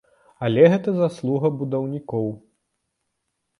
Але гэта заслуга будаўнікоў!